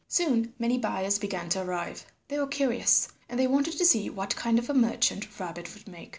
Soon many buyers began to arrive. They were curious, and they wanted to see what kind of a merchant Rabbit would make.